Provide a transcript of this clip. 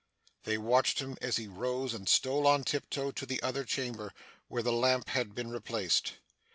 They watched him as he rose and stole on tiptoe to the other chamber where the lamp had been replaced.